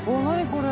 これ。